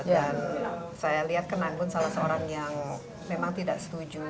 dan saya lihat kan anggun salah seorang yang memang tidak setuju